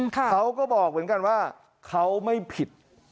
เขาก็บอกเหมือนกันว่าเขาไม่ผิด